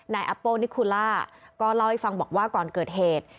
แอปโป้นิคูล่าก็เล่าให้ฟังบอกว่าก่อนเกิดเหตุ